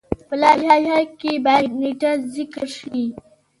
په لایحه کې باید نیټه ذکر شي.